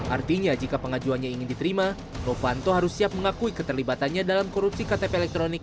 artinya jika pengajuannya ingin diterima novanto harus siap mengakui keterlibatannya dalam korupsi ktp elektronik